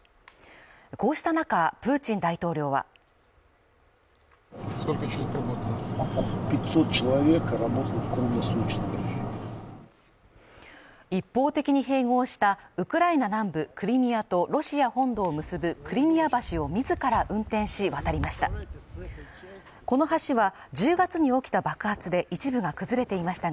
こうした中プーチン大統領は一方的に併合したウクライナ南部クリミアとロシア本土を結ぶクリミア橋を自ら運転し渡りました